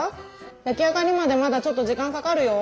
焼き上がりまでまだちょっと時間かかるよ。